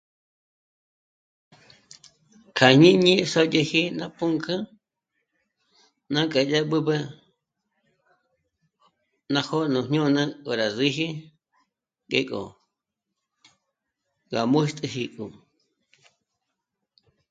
Kja jñíni sòdyeji ná pǔnk'ü, nânk'a dyá b'ǚb'ü ná jó'o nú jñôna k'o rá síji ngéko rá mûxtijigö